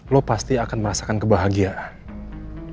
lo pasti akan merasakan kebahagiaan